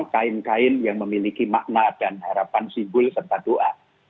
kain kain yang memiliki makna dan harapan simbol serta doa